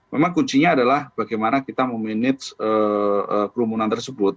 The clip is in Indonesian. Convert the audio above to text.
memang kuncinya adalah bagaimana kita memanage kerumunan tersebut